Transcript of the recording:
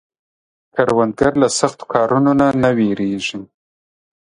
کروندګر له سختو کارونو نه نه ویریږي